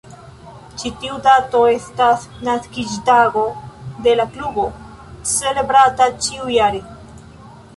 Ĉi tiu dato estas naskiĝtago de la Klubo, celebrata ĉiujare.